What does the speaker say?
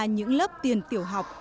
những lớp tiền tiểu học